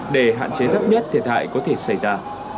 để hạn chế thấp nhất thể thại có thể xảy ra